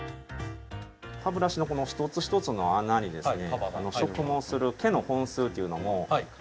歯ブラシのこの一つ一つの穴にですね